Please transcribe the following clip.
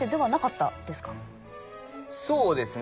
そうですね。